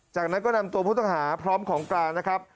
จากนั้นก็นำตัวผู้ต้องหาพร้อมของกลางนะครับ